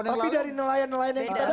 tapi dari nelayan nelayan yang kita dapatkan